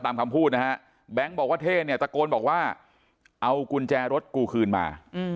คำพูดนะฮะแบงค์บอกว่าเท่เนี่ยตะโกนบอกว่าเอากุญแจรถกูคืนมา